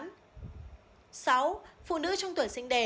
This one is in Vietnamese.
sáu phụ nữ trong tuổi sinh đẻ